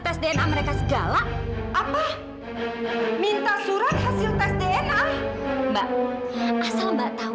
tes dna mereka segala apa minta surat hasil tes dna mbak asal mbak tahu